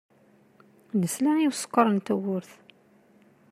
Nesla i usekkeṛ n tewwurt.